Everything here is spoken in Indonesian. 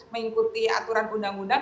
mengikuti aturan undang undang